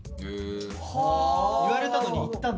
言われたのに行ったんだ。